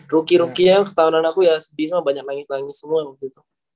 rookie ruckie nya setahunan aku ya sedih sama banyak nangis nangis semua waktu itu